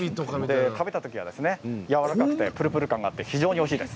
食べたときやわらかくてぷるぷる感があって非常においしいです。